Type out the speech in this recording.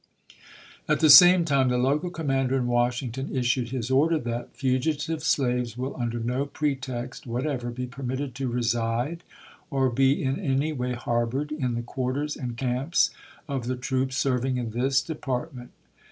At the same time the local commander in "Wash ington issued his order that, " Fugitive slaves will under no pretext whatever be permitted to reside, or be in any way harbored, in the quarters and ^^j^^^ camps of the troops serving in this Department.